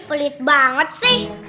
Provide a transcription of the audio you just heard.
pelit banget sih